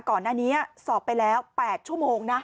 ก่อนหน้านี้สอบไปแล้ว๘ชั่วโมงนะ